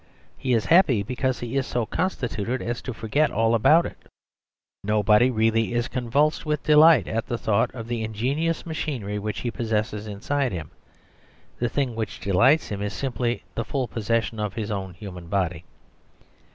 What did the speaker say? He is happy because he is so constituted as to forget all about it. Nobody really is convulsed with delight at the thought of the ingenious machinery which he possesses inside him; the thing which delights him is simply the full possession of his own human body.